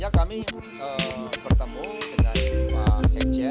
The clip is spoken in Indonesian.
ya kami bertemu dengan